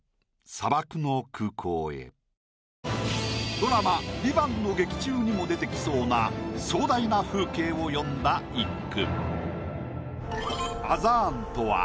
ドラマ『ＶＩＶＡＮＴ』の劇中にも出てきそうな壮大な風景を詠んだ一句。